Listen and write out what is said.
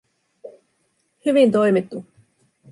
"hyvin toimittu".